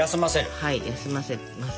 はい休ませます。